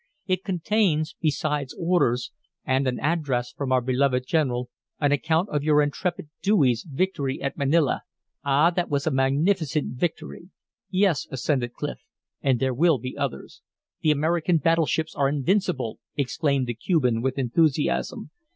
It contains, besides orders, and an address from our beloved general, an account of your intrepid Dewey's victory at Manila. Ah! that was a magnificent victory!" "Yes," assented Clif, "and there will be others." "The American battleships are invincible!" exclaimed the Cuban, with enthusiasm.